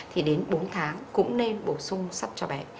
thì đến bốn tháng cũng nên bổ sung sắt cho bé